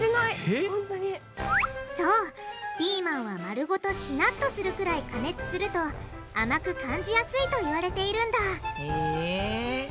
そうピーマンは丸ごとしなっとするくらい加熱すると甘く感じやすいと言われているんだへぇ。